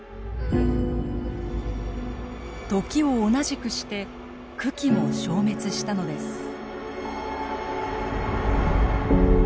時を同じくして群来も消滅したのです。